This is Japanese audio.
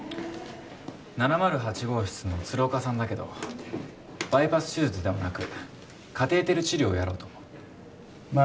７０８号室の鶴岡さんだけどバイパス手術ではなくカテーテル治療をやろうと思うまあ